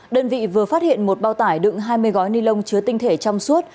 đơn vị vừa phát hiện một bao tải đựng hai mươi gói ni lông chứa tinh thể trong suốt